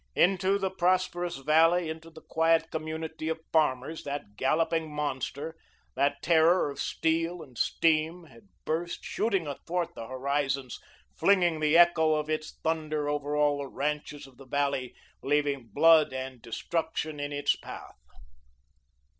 Into the prosperous valley, into the quiet community of farmers, that galloping monster, that terror of steel and steam had burst, shooting athwart the horizons, flinging the echo of its thunder over all the ranches of the valley, leaving blood and destruction in its path.